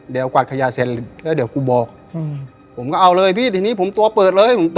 เดี๋ยวกวาดขยะเสร็จแล้วเดี๋ยวกูบอกผมก็เอาเลยพี่ทีนี้ผมตัวเปิดเลย